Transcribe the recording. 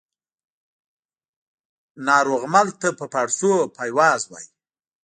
ناروغمل ته په پاړسو پایواز وايي